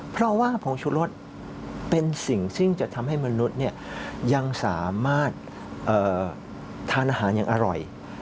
เพราะว่าผงชุรสเป็นสิ่งซึ่งจะทำให้มนุษย์ยังสามารถทานอาหารอย่างอร่อย